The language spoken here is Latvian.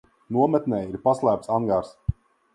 Nometnē ir paslēpts angārs.